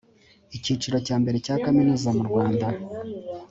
icyiciro cya mbere cya kaminuza murwanda